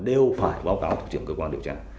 đều phải báo cáo thủ trưởng cơ quan điều tra